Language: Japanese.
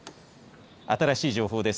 新しい情報です。